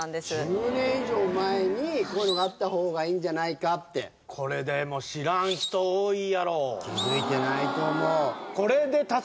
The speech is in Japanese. １０年以上前にこういうのがあった方がいいんじゃないかってこれでも知らん人多いやろ気づいてないと思う